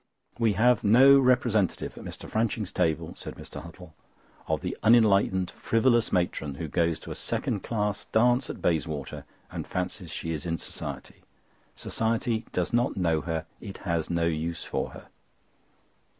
"We have no representative at Mr. Franching's table," said Mr. Huttle, "of the unenlightened frivolous matron, who goes to a second class dance at Bayswater and fancies she is in Society. Society does not know her; it has no use for her."